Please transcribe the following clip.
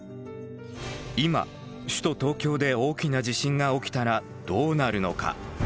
今首都東京で大きな地震が起きたらどうなるのか？